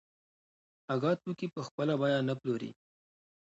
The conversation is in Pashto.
هغه توکي په خپله بیه نه پلوري